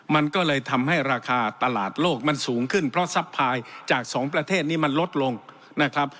มันก็เลยทำให้ราคาตลาดโลกมันสูงขึ้นเพราะซัพพายจากสองประเทศนี้มันลดลงนะครับ